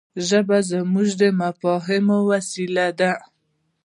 ژبه زموږ د مفاهيمي وسیله ده.